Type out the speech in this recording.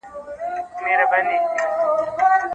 ده تر پخوانیو پوهانو ښه کار وکړ.